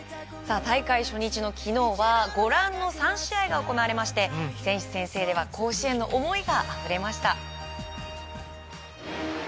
大会初日の昨日は３試合が行われまして選手宣誓では甲子園の思いがあふれました。